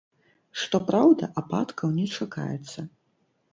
Што праўда, ападкаў не чакаецца.